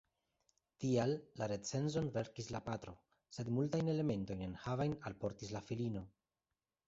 Tial la recenzon verkis la patro, sed multajn elementojn enhavajn alportis la filino.